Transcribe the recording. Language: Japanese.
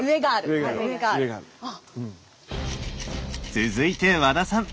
続いて和田さん！